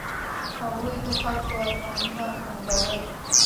هغوی د خلکو ارمانونه ځنډول.